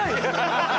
ハハハハ！